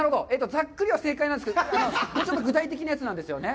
ざっくりは正解なんですけど、もうちょっと具体的なやつなんですよね。